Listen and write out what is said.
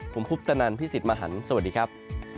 ผมคุปตนันพี่สิทธิ์มหันฯสวัสดีครับ